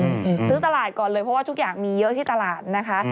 อืมซื้อตลาดก่อนเลยเพราะว่าทุกอย่างมีเยอะที่ตลาดนะคะ